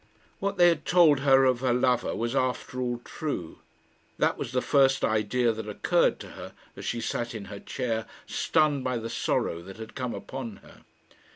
What they had told her of her lover was after all true. That was the first idea that occurred to her as she sat in her chair, stunned by the sorrow that had come upon her.